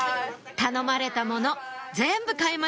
頼まれたもの全部買えました